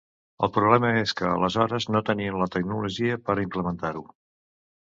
El problema és que aleshores no tenien la tecnologia per a implementar-ho.